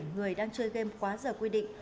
bảy người đang chơi game quá giờ quy định